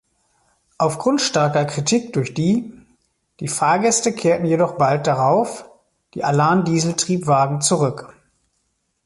Aufgrund starker Kritik durch die die Fahrgäste kehrten jedoch bald darauf die Allan-Dieseltriebwagen zurück.